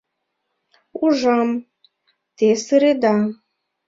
Ужам, те сыреда.